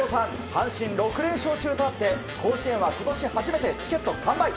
阪神は６連勝中とあって甲子園は今年初めてチケット完売！